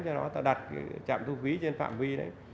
cho nó ta đặt cái trạm thu phí trên phạm vi đấy